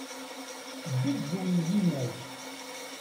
Tewwi-d yiwen n yinaw.